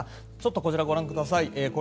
こちらをご覧ください。